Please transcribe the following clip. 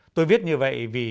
tôi viết như vậy vì